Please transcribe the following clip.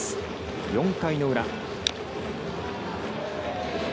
４回の裏。